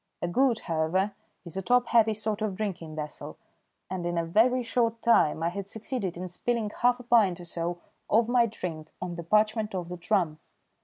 A gourd, however, is a top heavy sort of drinking vessel, and in a very short time I had succeeded in spilling half a pint or so of my drink on the parchment of the drum.